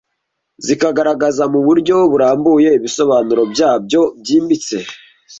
zikagaragaza mu buryo burambuye ibisobanuro byabyo byimbitse